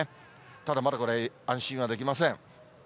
ただ、まだこれ安心はできません。